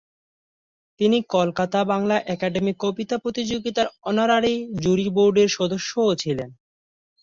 তিনি কলকাতা বাংলা একাডেমী কবিতা প্রতিযোগিতার অনারারি জুরি বোর্ডের সদস্যও ছিলেন।